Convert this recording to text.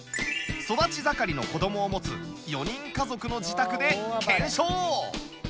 育ち盛りの子供を持つ４人家族の自宅で検証！